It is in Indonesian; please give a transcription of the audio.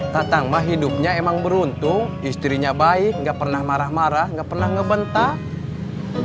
tatang mah hidupnya emang beruntung istrinya baik nggak pernah marah marah nggak pernah ngebentang